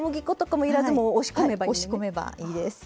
はい押し込めばいいです。